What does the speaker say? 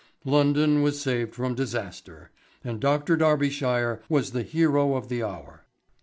London was saved from disaster, and Dr. Darbyshire was the hero of the hour.